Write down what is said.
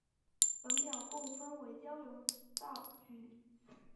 本表共分为交流道距离。